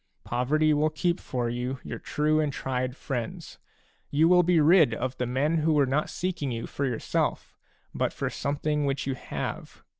Poverty will keep for you your true and tried friends ; you will be rid of the men who were not seeking you for yourself, but for something which you have.